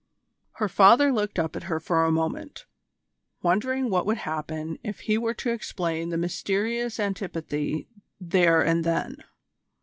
Her father looked up at her for a moment, wondering what would happen if he were to explain the mysterious antipathy there and then.